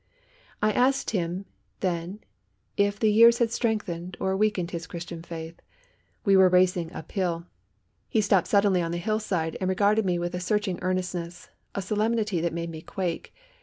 '" I asked him then if the years had strengthened or weakened his Christian faith. We were racing up hill. He stopped suddenly on the hillside and regarded me with a searching earnestness, a solemnity that made me quake.